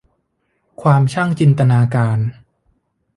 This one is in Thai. ความช่างจินตนาการ